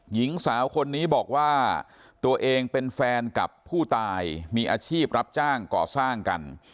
หญิงสาวคนนี้บอกว่าตัวเองเป็นแฟนกับผู้ตายมีอาชีพรับจ้างก่อสร้างกัน